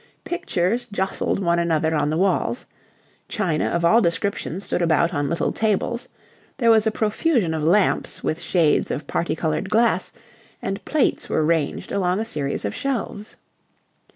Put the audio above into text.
Pictures jostled one another on the walls: china of all description stood about on little tables: there was a profusion of lamps with shades of parti coloured glass: and plates were ranged along a series of shelves.